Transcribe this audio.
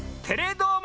どーも！